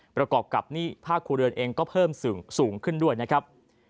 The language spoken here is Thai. ประกอบกับหนี้ภาคครัวเรือนเองก็เพิ่มสูงขึ้นด้วยนะครับ